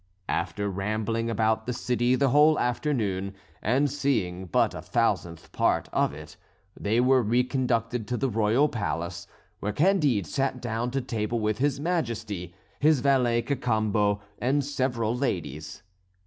After rambling about the city the whole afternoon, and seeing but a thousandth part of it, they were reconducted to the royal palace, where Candide sat down to table with his Majesty, his valet Cacambo, and several ladies.